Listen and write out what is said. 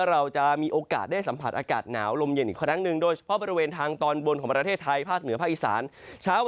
เราจะมีโอกาสได้สัมผัสอากาศหนาว